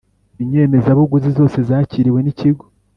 inyemezabuguzi zose zakiriwe n ikigo